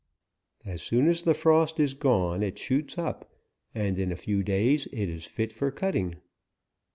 As soon as the frost is gone, it shoots up, and in a few days is fit for cutting.